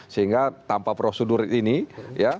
sehingga tanpa prosedur ini